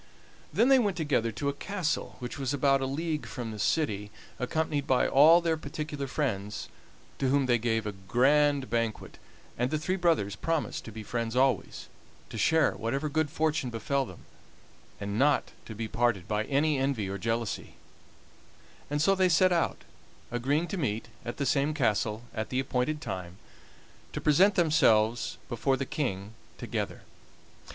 Then they went together to a castle which was about a league from the city, accompanied by all their particular friends, to whom they gave a grand banquet, and the three brothers promised to be friends always, to share whatever good fortune befell them, and not to be parted by any envy or jealousy; and so they set out, agreeing to meet at the same castle at the appointed time, to present themselves before the King together.